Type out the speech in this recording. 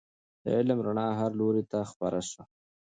د علم رڼا هر لوري ته خپره سوه.